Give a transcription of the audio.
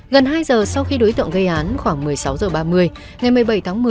gần hai giờ sau khi đối tượng gây án khoảng một mươi sáu h ba mươi ngày một mươi bảy tháng một mươi